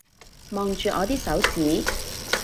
望住我啲手指